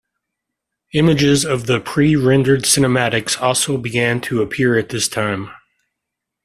Images of the pre-rendered cinematics also began to appear at this time.